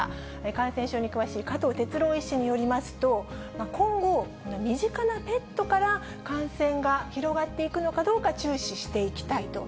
感染症に詳しい加藤哲朗医師によりますと、今後、身近なペットから感染が広がっていくのかどうか注視していきたいと。